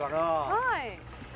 はい。